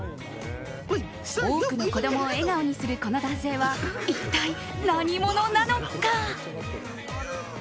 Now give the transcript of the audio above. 多くの子供を笑顔にするこの男性は、一体何者なのか。